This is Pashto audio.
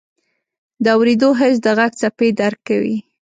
د اورېدو حس د غږ څپې درک کوي.